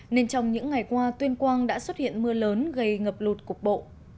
nên trong những ngày qua tuyên quang đã xuất hiện mưa lớn gây ngập lụt cục bộ